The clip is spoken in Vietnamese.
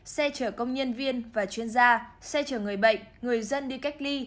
xe chở công nhân viên và chuyên gia xe chở người bệnh người dân đi cách ly